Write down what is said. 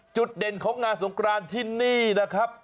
จุดเด่นของงานสงครานที่นี่นะครับ